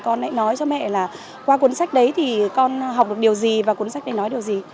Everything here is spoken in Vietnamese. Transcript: con nói cho mẹ là qua cuốn sách đấy thì con học được điều gì và cuốn sách đấy nói điều gì